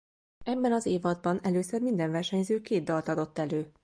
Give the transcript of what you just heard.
Ebben az évadban először minden versenyző két dalt adott elő.